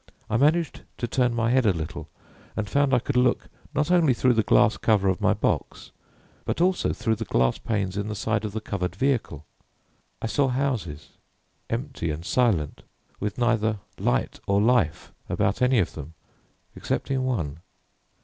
I managed to turn my head a little, and found I could look, not only through the glass cover of my box, but also through the glass panes in the side of the covered vehicle. I saw houses, empty and silent, with neither light nor life about any of them excepting one.